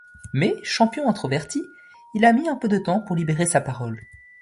Mais, champion introverti, il a mis un peu de temps pour libérer sa parole.